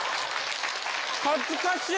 恥ずかしい。